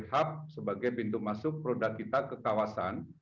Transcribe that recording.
hub sebagai pintu masuk produk kita ke kawasan